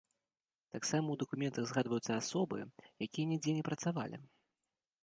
Таксама ў дакументах згадваюцца асобы, якія нідзе не працавалі.